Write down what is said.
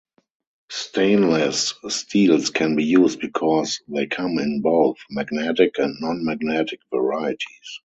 Stainless steels can be used because they come in both magnetic and non-magnetic varieties.